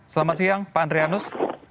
selamat siang pak adrianus